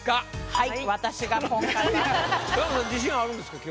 はい。